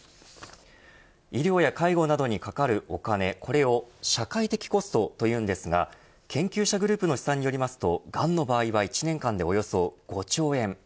医療や介護などにかかるお金これを社会的コストというんですが研究者グループの試算によりますと、がんの場合は１年間でおよそ５兆円。